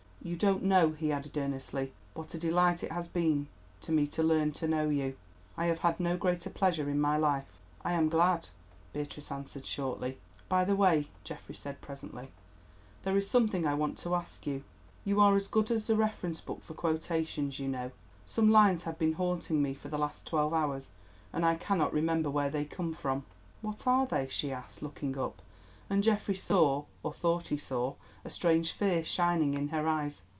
"You don't know," he added earnestly, "what a delight it has been to me to learn to know you. I have had no greater pleasure in my life." "I am glad," Beatrice answered shortly. "By the way," Geoffrey said presently, "there is something I want to ask you. You are as good as a reference book for quotations, you know. Some lines have been haunting me for the last twelve hours, and I cannot remember where they come from." "What are they?" she asked, looking up, and Geoffrey saw, or thought he saw, a strange fear shining in her eyes.